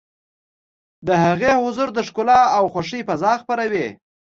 د هغې حضور د ښکلا او خوښۍ فضا خپروي.